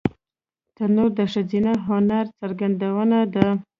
تنور د ښځینه هنر څرګندونه ده